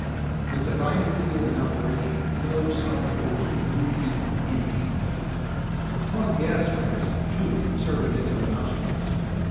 With the binder field in operation, no psi force could move him an inch. A plug gas mask, too, inserted into the nostrils.